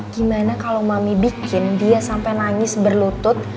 gimana kalo mami bikin dia sampe nangis berlutut